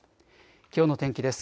きょうの天気です。